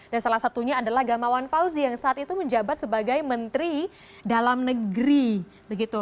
dan salah satunya adalah gamawan fauzi yang saat itu menjabat sebagai menteri dalam negeri